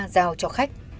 giao cho khách